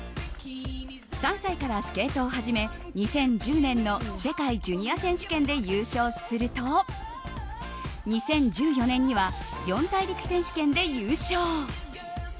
３歳からスケートを始め２０１０年の世界ジュニア選手権で優勝すると２０１４年には四大陸選手権で優勝。